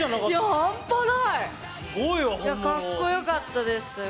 かっこよかったです。